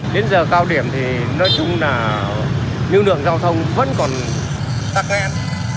đến giờ cao điểm thì nói chung là những đường giao thông vẫn còn tắc nét